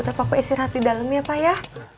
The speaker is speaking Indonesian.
tepat aku istirahat di dalam ya pak ya